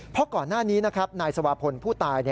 เพราะก่อนหน้านี้นะครับนายสวาพลผู้ตาย